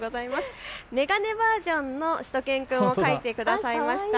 眼鏡バージョンのしゅと犬くんを描いてくださいました。